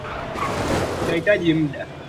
Usiku bei ni karibu dola thelathini